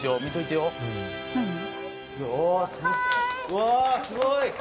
うわあすごい！